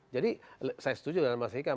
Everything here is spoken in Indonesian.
jadi saya setuju dengan mas hika